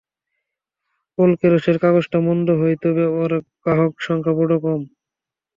পল কেরসের কাগজটা মন্দ নয়, তবে ওর গ্রাহকসংখ্যা বড় কম।